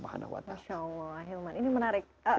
masya allah hilman ini menarik